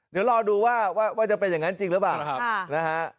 เดี๋ยวรอดูว่าจะเป็นอย่างนั้นจริงหรือเปล่านะฮะ